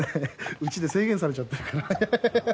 うちで制限されちゃってるからハハハハ！